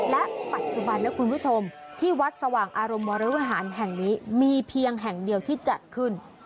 และปัจจุบันนะคุณผู้ชมที่วัดสว่างอารมณ์วรวิหารแห่งนี้มีเพียงแห่งเดียวที่จัดขึ้น